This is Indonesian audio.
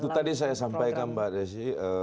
itu tadi saya sampaikan mbak desi